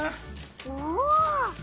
おお！